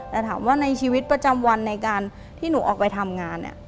แต่ถามว่าในชีวิตประจำวันในการที่หนูออกไปทำงานเนี่ย